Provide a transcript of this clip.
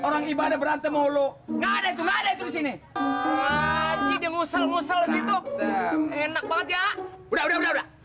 orang ibadah berantem mulu nggak ada itu nggak ada disini musel musel enak banget ya udah udah